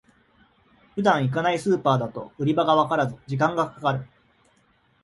普段行かないスーパーだと売り場がわからず時間がかかる